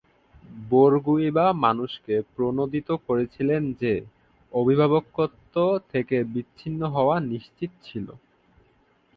বোরগুইবা মানুষকে প্রণোদিত করেছিলেন যে, অভিভাবকত্ব থেকে বিচ্ছিন্ন হওয়া নিশ্চিত ছিল।